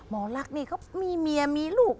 หมอลักษณ์นี่เขามีเมียมีลูก